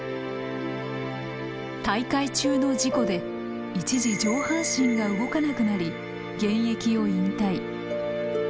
大会中の事故で一時上半身が動かなくなり現役を引退。